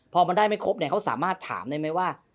พอมันได้ไม่ครบเนี่ยเขาสามารถถามได้ไหมว่า